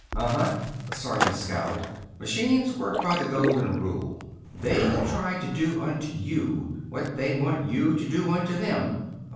"Uh uh!" The sergeant scowled. "Machines work by the golden rule. They try to do unto you what they want you to do unto them.